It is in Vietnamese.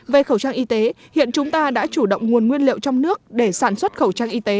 về khẩu trang y tế hiện chúng ta đã chủ động nguồn nguyên liệu trong nước để sản xuất khẩu trang y tế